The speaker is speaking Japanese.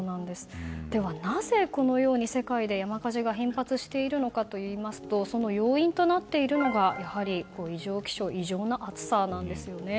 では、なぜこのように世界で山火事が頻発しているのかといいますとその要因となっているのがやはり異常気象異常な暑さなんです。